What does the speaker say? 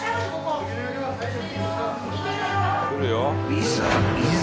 ［いざいざ］